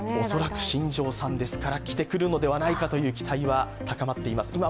恐らく新庄さんですから、着てくるのではないかという期待は高まってます。